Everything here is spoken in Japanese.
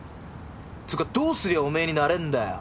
つかどうすりゃおめぇになれんだよ。